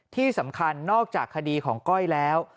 ที่สำคัญนอกจากคดีของก้อยแล้ว